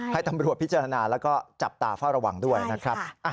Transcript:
ให้ตำรวจพิจารณาแล้วก็จับตาเฝ้าระวังด้วยนะครับ